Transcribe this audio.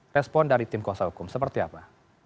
respon dari tim kuasa hukum seperti apa